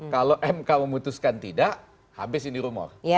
kalau mk memutuskan tidak habis ini rumor